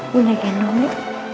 bunda genong ya